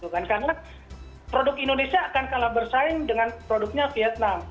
karena produk indonesia akan kalah bersaing dengan produknya vietnam